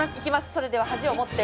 それでは端を持って。